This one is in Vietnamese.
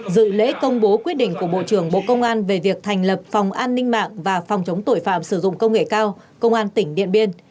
dự lễ công bố quyết định của bộ trưởng bộ công an về việc thành lập phòng an ninh mạng và phòng chống tội phạm sử dụng công nghệ cao công an tỉnh điện biên